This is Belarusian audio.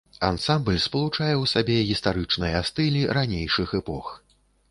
Ансамбль спалучае ў сабе гістарычныя стылі ранейшых эпох.